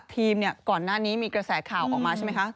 ทีมก่อนหน้านี้มีกระแสข่าวออกมาใช่ไหมคะ